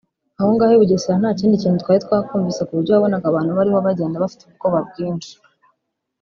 Aho ngaho i Bugesera nta kindi kintu twari twakumvise ku buryo wabonaga abantu bariho bagenda bafite ubwoba bwinshi